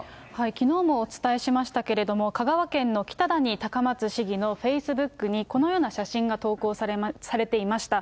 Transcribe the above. きのうもお伝えしましたけれども、香川県の北谷高松市議のフェイスブックにこのような写真が投稿されていました。